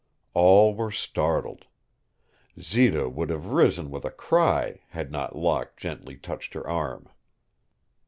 All were startled. Zita would have risen with a cry had not Locke gently touched her arm.